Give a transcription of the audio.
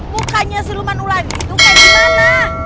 mukanya siluman ular itu kayak gimana